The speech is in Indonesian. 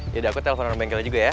yaudah aku telepon orang bengkel aja ya